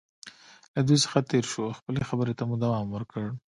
له دوی څخه تېر شو، خپلې خبرې ته مو دوام ورکړ.